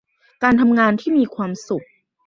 การทำงานที่มีความสุข